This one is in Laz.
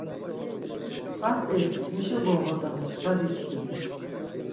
Hatzi heşo goğodams, dadiçkimi